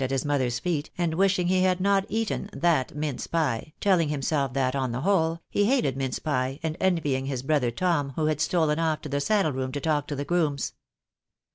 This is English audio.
at his mother's feet, and wishing he had not eaten that mince pie, telling himself that, on the whole, he hated mince pie, and envying his brother Tom, who had stolen off to the saddle room to talk to the grooms.